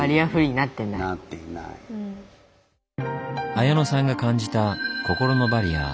彩乃さんが感じた心のバリアー。